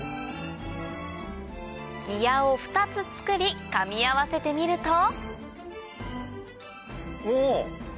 ギヤを２つ作りかみ合わせてみるとおぉ！